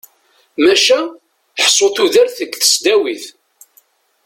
Maca ḥsu tudert deg tesdawit.